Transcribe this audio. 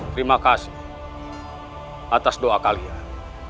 terima kasih atas doa kalian